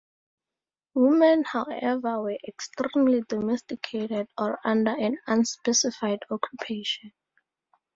Women however, were extremely domesticated or under an "unspecified" occupation.